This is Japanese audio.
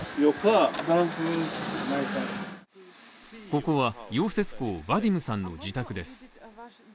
ここは溶接工、ヴァディムさんの自宅です。